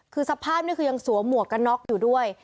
คือสภาพนี่คือยังสวมหมวกกันน็อกอยู่ด้วย